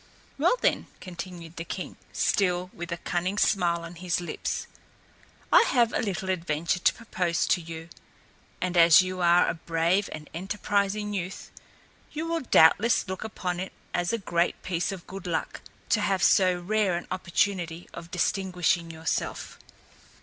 "Well, then," continued the king, still with a cunning smile on his lips, "I have a little adventure to propose to you, and as you are a brave and enterprising youth, you will doubtless look upon it as a great piece of good luck to have so rare an opportunity of distinguishing yourself.